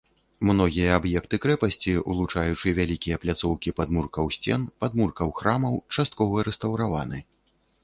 Многія аб'екты крэпасці, улучаючы вялікія пляцоўкі падмуркаў сцен, падмуркаў храмаў часткова рэстаўраваны.